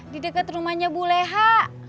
di dekat rumahnya bu leha